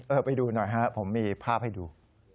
ไปดูหน่อยฮะผมมีภาพให้ดู